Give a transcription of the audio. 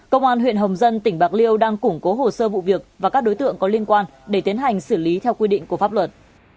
công an huyện hồng dân tỉnh bạc liêu đang củng cố hồ sơ vụ việc và các đối tượng có liên quan để tiến hành xử lý theo quy định của pháp luật